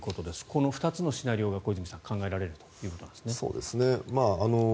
この２つのシナリオが、小泉さん考えられるということですね。